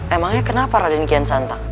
emangnya kenapa raden kian santap